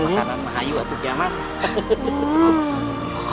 kalau makanan terbaik itu tidak apa apa